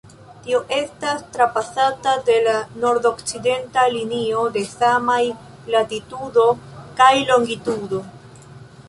Tiu estas trapasata de la nordokcidenta linio de samaj latitudo kaj longitudo.